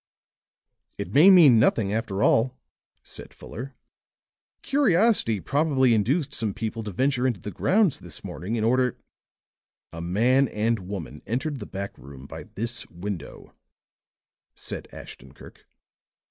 "It may mean nothing, after all," said Fuller. "Curiosity probably induced some people to venture into the grounds this morning in order " "A man and woman entered the back room by this window," said Ashton Kirk.